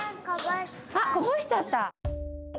あこぼしちゃった？